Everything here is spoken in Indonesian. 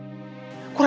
apa yang kamu lakukan